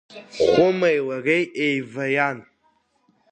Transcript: Хәымеи лареи еиваиан.